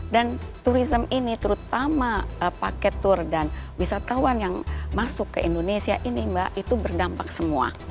dan turism ini terutama paket tour dan wisatawan yang masuk ke indonesia ini mbak itu berdampak semua